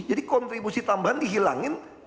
jadi kontribusi tambahan dihilangin